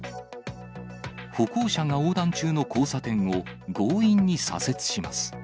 歩行者が横断中の交差点を強引に左折します。